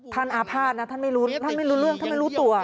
ท่านอภาษณ์นะท่านไม่รู้เรื่องท่านไม่รู้ตัว